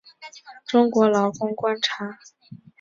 中国劳工观察在美国的工作主要在于两个部份。